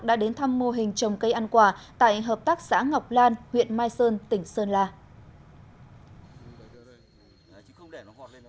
đã đến thăm mô hình trồng cây ăn quả tại hợp tác xã ngọc lan huyện mai sơn tỉnh sơn la